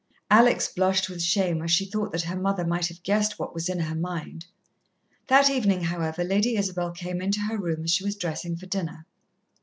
Alex blushed with shame as she thought that her mother might have guessed what was in her mind. That evening, however, Lady Isabel came into her room as she was dressing for dinner.